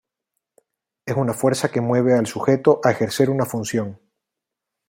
Es una fuerza que mueve al sujeto a ejercer una función.